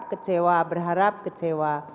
kecewa berharap kecewa